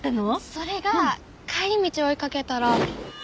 それが帰り道追いかけたら。